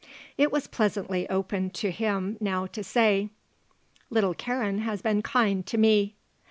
It was pleasantly open to him now to say: "Little Karen has been kind to me."